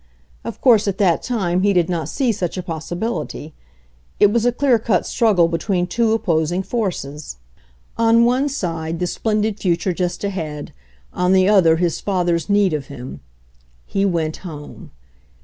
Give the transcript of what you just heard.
Of course at that time he did not see such a possibility. It was a clear cut struggle between two opposing forces; on one side the splendid 33 34 HENRY FORD'S OWN STORY future just ahead, on the other his father's need of him. He went home.